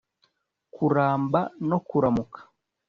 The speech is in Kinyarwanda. kuramba no kuramuka